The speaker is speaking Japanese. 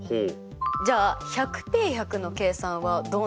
じゃあ１００Ｐ１００の計算はどうなりますか？